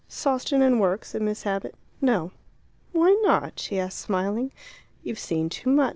"Sawston and work," said Miss Abbott. "No." "Why not?" she asked, smiling. "You've seen too much.